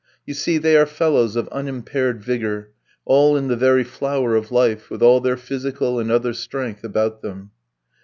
You see they are fellows of unimpaired vigour, all in the very flower of life, with all their physical and other strength about them.